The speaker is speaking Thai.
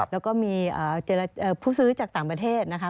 แล้วก็มีผู้ซื้อจากต่างประเทศนะคะ